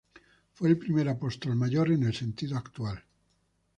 Fue el primer Apóstol Mayor en el sentido actual.